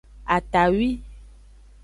Atawi.